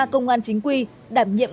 ba công an chính quy đảm nhiệm